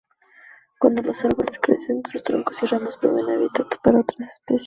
Cuando los árboles crecen sus troncos y ramas proveen hábitats para otras especies.